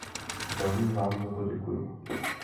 Velmi vám za to děkuji.